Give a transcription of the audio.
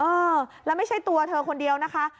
เออแล้วไม่ใช่ตัวเธอคนเดียวนะคะ